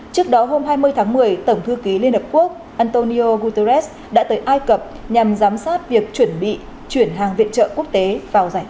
trước đó hôm hai mươi tháng một mươi tổng thư ký liên hợp quốc antonio guterres đã tới ai cập nhằm giám sát việc chuẩn bị chuyển hàng viện trợ quốc tế vào giải gaza